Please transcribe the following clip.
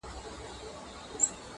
دواړه د میني مقدسې اوبه